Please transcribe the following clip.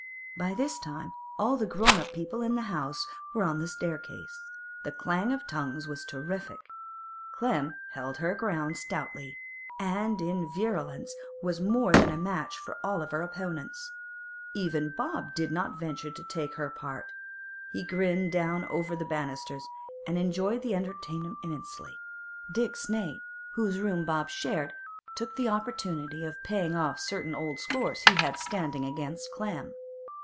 By this time all the grown up people in the house were on the staircase; the clang of tongues was terrific. Clem held her ground stoutly, and in virulence was more than a match for all her opponents. Even Bob did not venture to take her part; he grinned down over the banisters, and enjoyed the entertainment immensely. Dick Snape, whose room Bob shared, took the opportunity of paying off certain old scores he had standing against Clem.